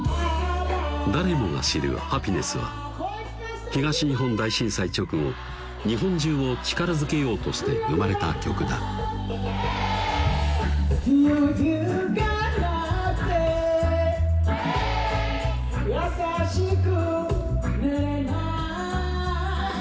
誰もが知る「ハピネス」は東日本大震災直後日本中を力づけようとして生まれた曲だ「街中が光に包まれてく」